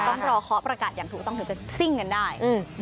ต้องรอเคาะประกาศอย่างถูกต้องถึงจะซิ่งกันได้